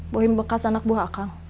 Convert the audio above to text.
bohim bekas anak buah aka